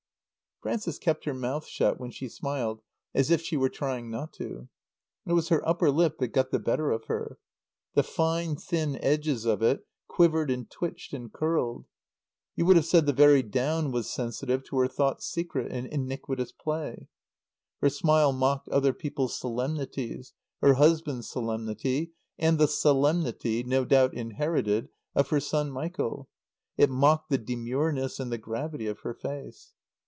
Frances kept her mouth shut when she smiled, as if she were trying not to. It was her upper lip that got the better of her. The fine, thin edges of it quivered and twitched and curled. You would have said the very down was sensitive to her thought's secret and iniquitous play. Her smile mocked other people's solemnities, her husband's solemnity, and the solemnity (no doubt inherited) of her son Michael; it mocked the demureness and the gravity of her face.